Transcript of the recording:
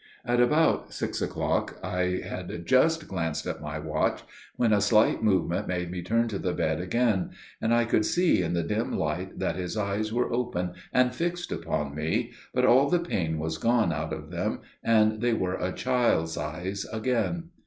At about six o'clock, I had just glanced at my watch, when a slight movement made me turn to the bed again, and I could see in the dim light that his eyes were open and fixed upon me, but all the pain was gone out of them, and they were a child's eyes again.